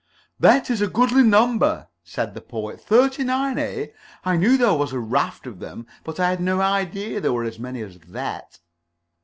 "That is a goodly number," said the Poet. "Thirty nine, eh? I knew there was a raft of them, but I had no idea there were as many as that."